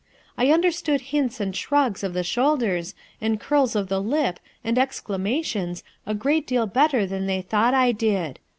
I understood hints and shrugs of the shoulders and curls of the lip and exclamations a great deal better than they thought I did.